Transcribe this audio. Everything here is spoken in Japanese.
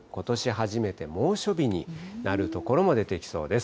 初めて猛暑日になる所も出てきそうです。